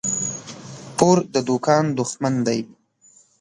پور د دوکان دښمن دى.